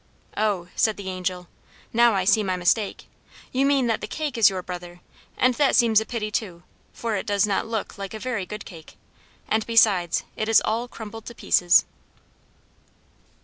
"Oh," said the Angel, "now I see my mistake. You mean that the cake is your brother; and that seems a pity, too, for it does not look like a very good cake, and, besides, it is all crumbled to pieces."